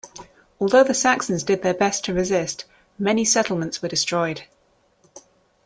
Although the Saxons did their best to resist, many settlements were destroyed.